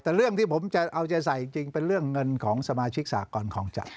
แต่เรื่องที่ผมจะเอาใจใส่จริงเป็นเรื่องเงินของสมาชิกสากรคลองจัด